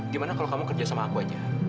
gimana kalau kamu kerja sama aku aja